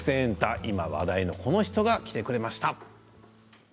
今話題のこの人が来てくれました。